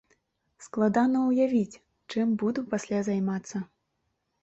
Складана ўявіць, чым буду пасля займацца.